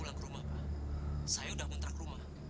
tak mau mainin tak mau